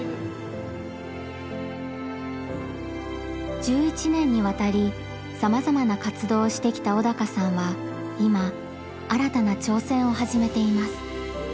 １１年にわたりさまざまな活動をしてきた小鷹さんは今新たな挑戦を始めています。